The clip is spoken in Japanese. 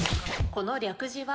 この略字は？